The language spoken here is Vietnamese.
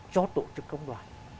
cho tổ chức công đoàn